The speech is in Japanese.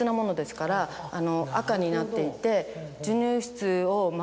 赤になっていて。